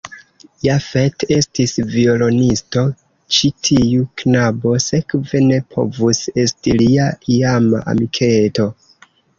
Jafet estis violonisto, ĉi tiu knabo sekve ne povus esti lia iama amiketo.